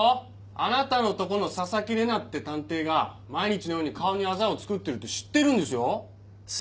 あなたのとこの紗崎玲奈って探偵が毎日のように顔にあざをつくってるって知ってるんですよ。